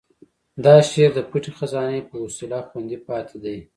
دا شعر د پټې خزانې په وسیله خوندي پاتې دی.